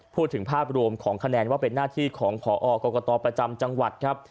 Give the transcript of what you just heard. พูดถึงภาพรวมของคะแนนว่าเป็นหน้าที่ของพอกรกตประจำจังหวัดครับ